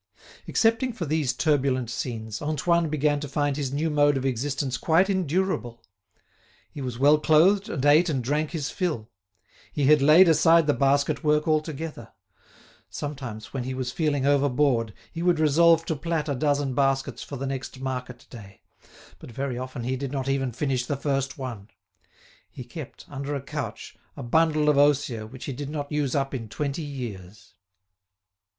Excepting for these turbulent scenes, Antoine began to find his new mode of existence quite endurable. He was well clothed, and ate and drank his fill. He had laid aside the basket work altogether; sometimes, when he was feeling over bored, he would resolve to plait a dozen baskets for the next market day; but very often he did not even finish the first one. He kept, under a couch, a bundle of osier which he did not use up in twenty years.